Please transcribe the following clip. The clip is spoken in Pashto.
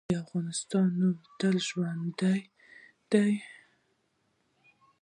د افغانستان نوم تل ژوندی دی.